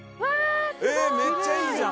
えっめっちゃいいじゃん。